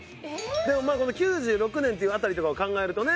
でもこの９６年っていう辺りとかを考えるとね。